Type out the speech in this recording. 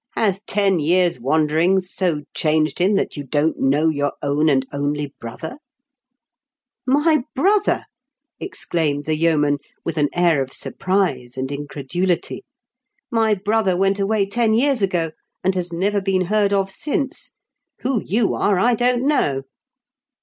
"Has ten years' wanderings so changed him that you don't know your own and only brother ?"" My brother !" exclaimed the yeoman, with an air of surprise and incredulity. " My brother went away ten years ago, and has never been heard of since. Who you are I don't know."